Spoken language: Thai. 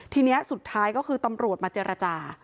ทีนี้สุดท้ายก็คือตำรวจมาเจรจา